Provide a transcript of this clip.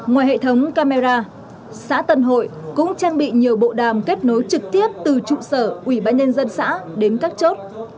ngoài hệ thống camera xã tân hội cũng trang bị nhiều bộ đàm kết nối trực tiếp từ trụ sở ủy ban nhân dân xã đến các chốt